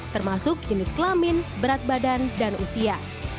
termasuk jenis kelamin berat badan dan usia